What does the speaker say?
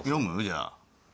じゃあ。